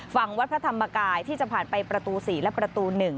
ฝั่งวัดพระธรรมกายที่จะผ่านไปประตู๔และประตู๑